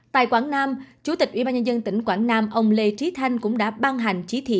tại quảng nam chủ tịch ubnd tỉnh quảng nam ông lê trí thanh cũng đã ban hành chỉ thị